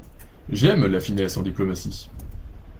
J'aime la finesse en diplomatie.